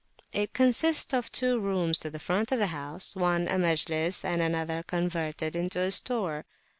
It consists of two rooms to the front of the house, one a Majlis, and another converted into a store.